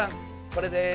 これです！